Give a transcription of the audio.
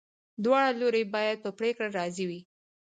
دواړه لوري باید په پریکړه راضي وي.